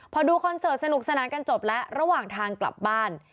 พอดูคอนเสิร์ตสนุกสนานกันจบแล้วระหว่างทางกลับบ้าน